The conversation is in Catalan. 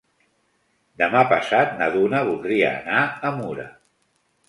Demà passat na Duna voldria anar a Mura.